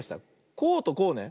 こうとこうね。